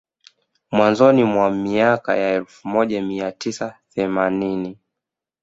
Mwanzoni mwa miaka ya elfu moja mia tisa themanini